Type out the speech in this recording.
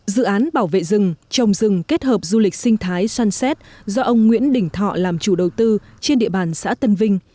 dự án bảo vệ rừng trồng rừng kết hợp du lịch sinh thái sunset do ông nguyễn đỉnh thọ làm chủ đầu tư trên địa bàn xã tân vinh